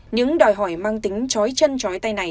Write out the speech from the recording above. những đòi hỏi mang tính trói chân chói tay này